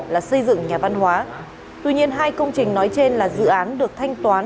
là xây dựng nhà văn hóa tuy nhiên hai công trình nói trên là dự án được thanh toán